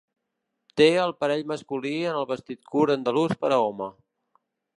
Té el parell masculí en el vestit curt andalús per a home.